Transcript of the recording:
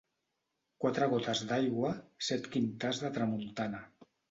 Quatre gotes d'aigua, set quintars de tramuntana.